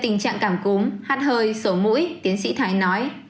tình trạng cảm cúm hát hơi sổ mũi tiến sĩ thái nói